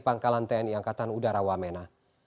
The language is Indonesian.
pangkalan tni angkatan udara wamena